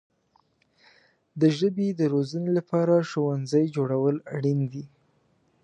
د ژبې د روزنې لپاره ښوونځي جوړول اړین دي.